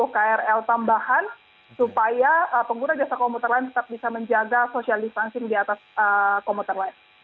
krl tambahan supaya pengguna jasa komuter lain tetap bisa menjaga social distancing di atas komuter lain